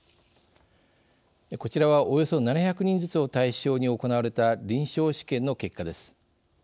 こちらは、およそ７００人ずつを対象に行われた臨床試験の結果です。